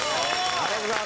ありがとうございます。